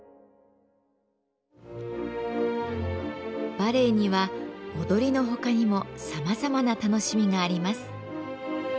バレエには踊りのほかにもさまざまな楽しみがあります。